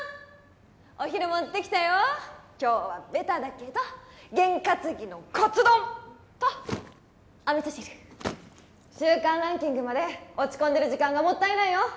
お昼持ってきたよー今日はベタだけどゲン担ぎのカツ丼！とお味噌汁週間ランキングまで落ち込んでる時間がもったいないよ